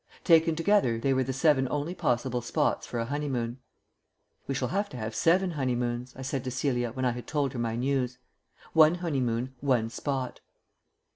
Taken together they were the seven only possible spots for a honeymoon. "We shall have to have seven honeymoons," I said to Celia when I had told her my news. "One honeymoon, one spot."